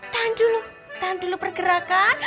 tahan dulu pergerakan